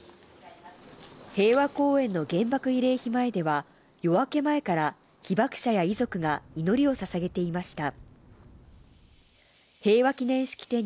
平和公園の原爆慰霊碑前では夜明け前から被爆者や遺族が祈りをささげていました。